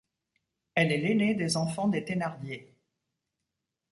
Elle est l'aînée des enfants des Thénardier.